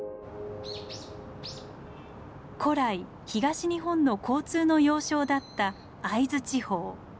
古来東日本の交通の要衝だった会津地方。